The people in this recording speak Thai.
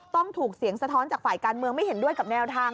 ต้องถูกเสียงสะท้อนจากฝ่ายการเมืองไม่เห็นด้วยกับแนวทาง